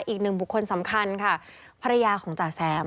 อีกหนึ่งบุคคลสำคัญค่ะภรรยาของจ๋าแซม